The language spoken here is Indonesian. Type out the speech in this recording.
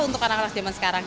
untuk anak anak zaman sekarang